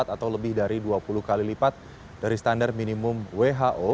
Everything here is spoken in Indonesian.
atau lebih dari dua puluh kali lipat dari standar minimum who